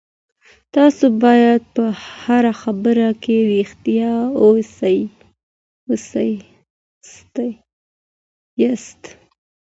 تاسو باید په هره خبره کي ریښتیا ووایاست.